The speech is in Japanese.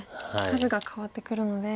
数が変わってくるので。